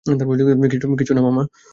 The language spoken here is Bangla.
কিছু না মা!